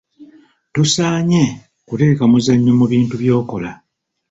Tosaanye kuteeka muzannyo mu bintu by'okola.